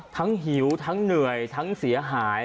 หิวทั้งเหนื่อยทั้งเสียหาย